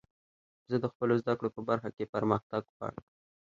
زه د خپلو زدکړو په برخه کښي پرمختګ غواړم.